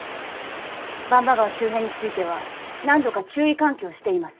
番場川周辺については何度か注意喚起をしています。